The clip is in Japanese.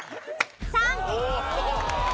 ３！